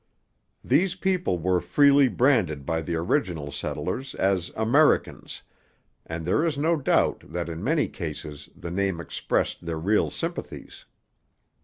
These people were freely branded by the original settlers as 'Americans'; and there is no doubt that in many cases the name expressed their real sympathies.